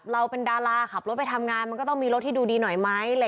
เราเป็นดาราขับรถไปทำงานมันก็ต้องมีรถที่ดูดีหน่อยไหม